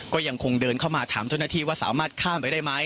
ก็ยังคงเดินเข้ามาถามเจ้าหน้าที่ว่าสามารถข้ามไปได้ไหม